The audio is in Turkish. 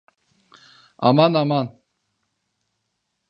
Aman, aman.